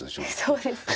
そうですか？